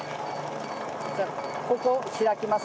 ここを開きますね。